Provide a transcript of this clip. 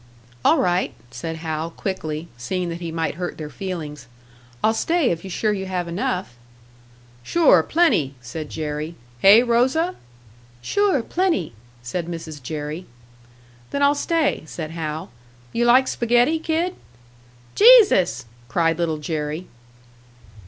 "All right," said Hal, quickly, seeing that he might hurt their feelings. "I'll stay if you're sure you have enough." "Sure, plenty!" said Jerry. "Hey, Rosa?" "Sure, plenty!" said Mrs. Jerry. "Then I'll stay," said Hal. "You like spaghetti, Kid?" "Jesus!" cried Little Jerry.